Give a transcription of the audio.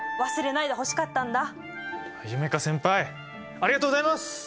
ありがとうございます！